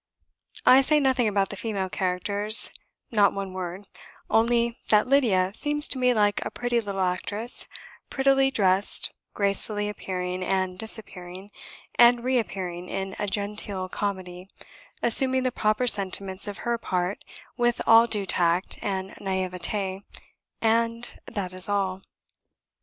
I say nothing about the female characters not one word; only that Lydia seems to me like a pretty little actress, prettily dressed gracefully appearing and disappearing, and reappearing in a genteel comedy, assuming the proper sentiments of her part with all due tact and naivete, and that is all.